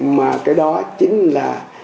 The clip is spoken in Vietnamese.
mà cái đó chính là